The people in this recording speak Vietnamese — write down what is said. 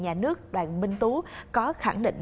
nhà nước đoàn minh tú có khẳng định